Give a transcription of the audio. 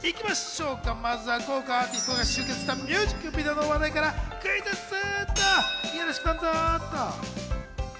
まずは豪華アーティストが集結したミュージックビデオの話題からクイズッス！